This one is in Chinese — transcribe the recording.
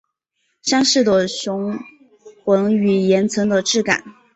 山势的雄浑与岩层的质感